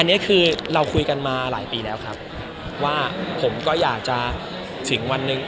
อันนี้คือเราคุยกันมาหลายปีแล้วครับว่าผมก็อยากจะถึงวันหนึ่ง